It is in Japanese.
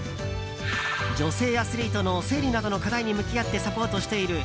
女性アスリートの生理などの課題に向き合ってサポートしている